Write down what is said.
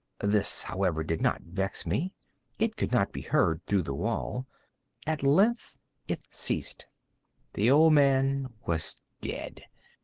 This, however, did not vex me; it would not be heard through the wall. At length it ceased. The old man was dead.